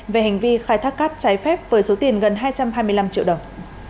về hành vi khai thác cát trái phép với số tiền gần hai trăm hai mươi năm triệu đồng